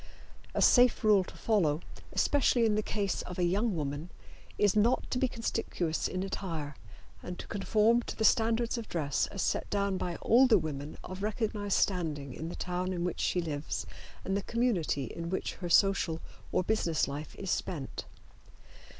A safe rule to follow, especially in the case of a young woman, is not to be conspicuous in attire and to conform to the standards of dress as set down by older women of recognized standing in the town in which she lives and the community in which her social or business life is spent.